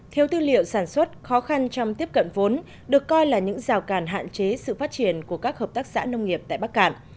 theo tư liệu sản xuất khó khăn trong tiếp cận vốn được coi là những rào cản hạn chế sự phát triển của các hợp tác xã nông nghiệp tại bắc cạn